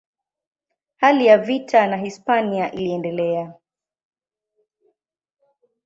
Hali ya vita na Hispania iliendelea.